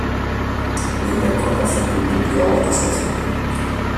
Behiak kortan sartu ditut gaua pasatzeko.